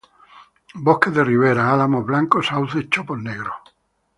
Bosques de ribera: álamos blancos, sauces, chopos negros.